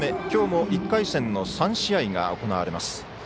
今日も１回戦の３試合が行われます。